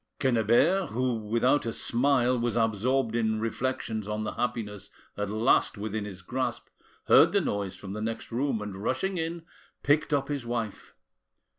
Quennebert, who, without a smile, was absorbed in reflections on the happiness at last within his grasp, heard the noise from the next room, and rushing in, picked up his wife.